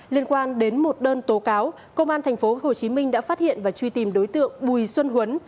liên quan đến một đơn tố cáo công an tp hcm đã phát hiện và truy tìm đối tượng bùi xuân huấn